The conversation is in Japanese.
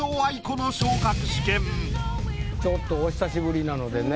ちょっとお久しぶりなのでね。